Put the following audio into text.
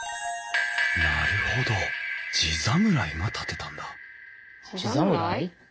なるほど地侍が建てたんだじざむらい？